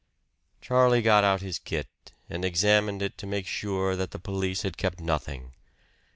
Charlie got out his kit and examined it to make sure that the police had kept nothing.